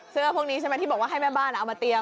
พวกนี้ใช่ไหมที่บอกว่าให้แม่บ้านเอามาเตรียม